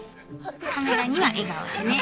カメラには笑顔でね。